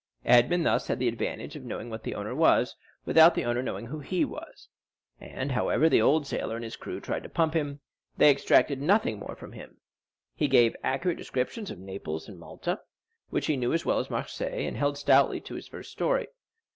Edmond thus had the advantage of knowing what the owner was, without the owner knowing who he was; and however the old sailor and his crew tried to "pump" him, they extracted nothing more from him; he gave accurate descriptions of Naples and Malta, which he knew as well as Marseilles, and held stoutly to his first story.